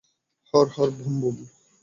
হর হর ব্যোম ব্যোম!